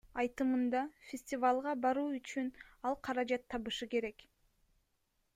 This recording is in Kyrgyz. Айтымында, фестивалга баруу үчүн ал каражат табышы керек.